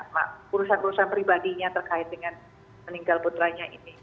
karena urusan urusan pribadinya terkait dengan meninggal putranya ini